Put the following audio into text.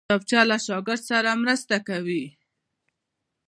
کتابچه له شاګرد سره مرسته کوي